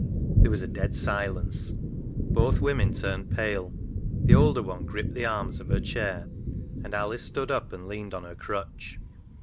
There was a dead silence. Both women turned pale ; the older one gripped the arms of her chair, and Alice stood up and leaned on her crutch.